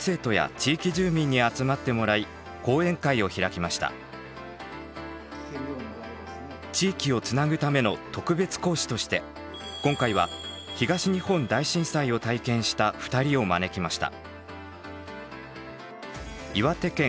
地域をつなぐための特別講師として今回は東日本大震災を体験した２人を招きました。